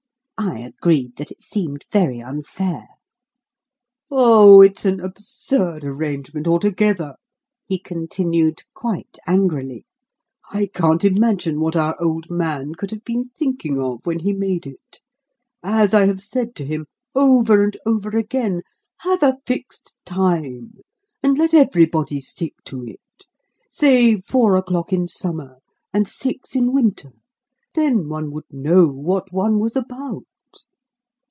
I agreed that it seemed very unfair. "Oh, it's an absurd arrangement altogether," he continued, quite angrily. "I can't imagine what our old man could have been thinking of when he made it. As I have said to him, over and over again, 'Have a fixed time, and let everybody stick to it say four o'clock in summer, and six in winter. Then one would know what one was about.'"